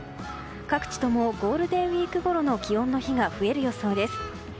各地ともゴールデンウィークごろの気温の日が増える予想です。